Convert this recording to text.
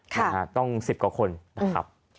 นะฮะต้อง๑๐กว่าคนนะครับ